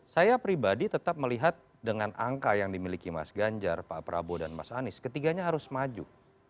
saya pribadi tetap melihat dengan angka yang dimiliki mas ganjar pak prabowo dan mas anies ketiganya harus maju